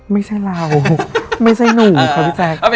ไม่ใช่เราไม่ใช่หนูค่ะพี่แซ่บ